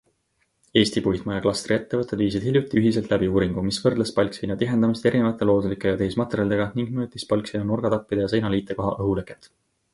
Eesti puitmajaklastri ettevõtted viisid hiljuti ühiselt läbi uuringu, mis võrdles palkseina tihendamist erinevate looduslike ja tehismaterjalidega ning mõõtis palkseina nurgatappide ja seina liitekoha õhuleket.